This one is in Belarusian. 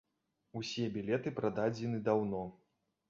Усе білеты прададзены даўно.